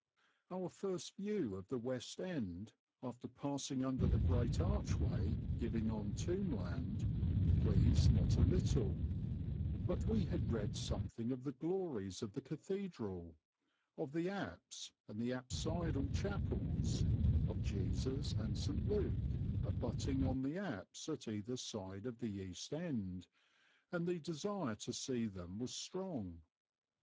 Our first view of the west end, after passing under the great archway giving on Tombland, pleased not a little; but we had read something of the glories of the cathedral, of the apse and the apsidal chapels, of Jesus and St. Luke, abutting on the apse at either side of the east end, and the desire to see them was strong.